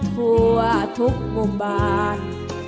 ทั่วทุกมุมบาน